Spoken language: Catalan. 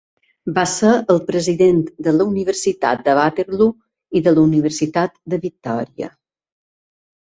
Va ser el president de la Universitat de Waterloo i de la Universitat de Victòria.